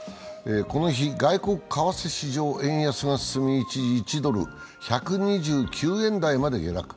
この日、外国為替市場、円安が進み一時１ドル＝１２６円台まで下落。